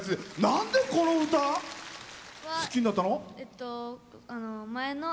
なんで、この歌好きになったの？